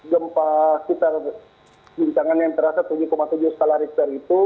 gempa kitar yang terasa tujuh tujuh skala richter itu